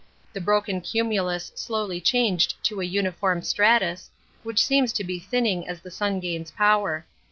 The broken cumulus slowly changed to a uniform stratus, which seems to be thinning as the sun gains power.